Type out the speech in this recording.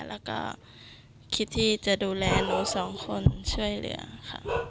แล้วก็คิดที่จะดูแลหนูสองคนช่วยเหลือค่ะ